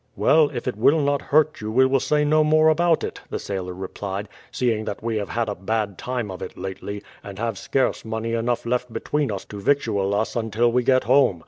"Well, if it will not hurt you we will not say any more about it," the sailor replied; "seeing that we have had a bad time of it lately, and have scarce money enough left between us to victual us until we get home.